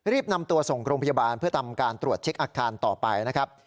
นำตัวส่งโรงพยาบาลเพื่อทำการตรวจเช็คอาการต่อไปนะครับ